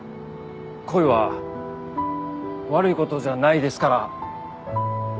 恋は悪いことじゃないですから。